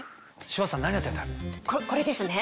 これですね